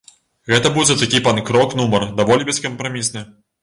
Гэта будзе такі панк-рок-нумар, даволі бескампрамісны.